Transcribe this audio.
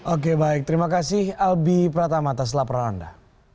oke baik terima kasih albi pratamata selaparanda